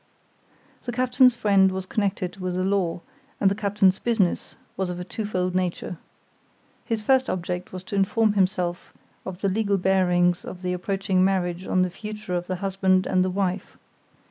The captain's friend was connected with the law, and the captain's business was of a twofold nature. His first object was to inform himself of the legal bearings of the approaching marriage on the future of the husband and the wife.